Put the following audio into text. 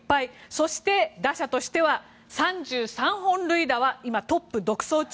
そして打者としては３３本塁打は今、トップ独走中。